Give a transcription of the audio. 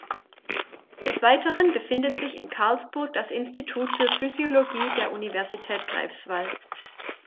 Des Weiteren befindet sich in Karlsburg das Institut für Physiologie der Universität Greifswald.